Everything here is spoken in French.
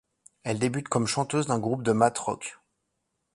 Elle débute comme chanteuse d'un groupe de math rock.